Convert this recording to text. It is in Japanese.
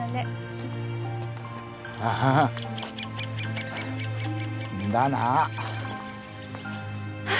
ああんだなあ。